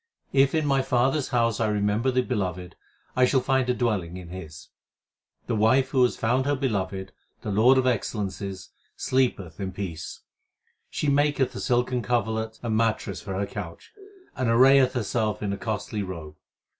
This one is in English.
If in my father s house I remember the Beloved, I shall find a dwelling in His. HYMNS OF GURU NANAK 361 The wife who hath found her Beloved, the Lord of excel lences, sleepeth in peace. She maketh a silken coverlet and mattress for her couch, and arrayeth herself in a costly robe.